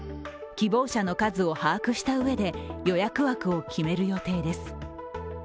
希望者の数を把握したうえで予約枠を決める予定です。